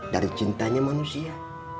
dari cintanya manusia